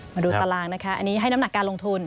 มาดูตารางนะคะอันนี้ให้น้ำหนักการลงทุน